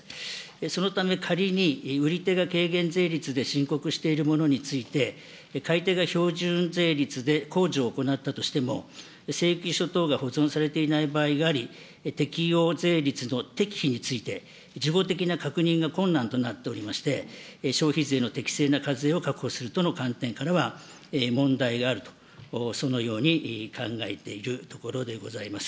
そのため仮に売り手が軽減税率で申告しているものについて、買い手が標準税率で控除を行ったとしても、請求書等が保存されていない場合があり、適用税率の適否について、事後的な確認が困難となっておりまして、消費税の適正な課税を確保するとの観点からは問題があると、そのように考えているところでございます。